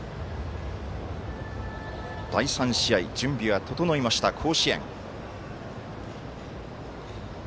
第３試合準備は整いました、甲子園。